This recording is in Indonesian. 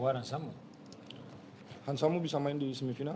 mereka menyebutkan bahwa tarjeta diberi di semifinal